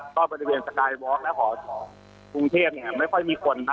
ก็บริเวณสกายวอร์กและหอกรุงเทพไม่ค่อยมีคน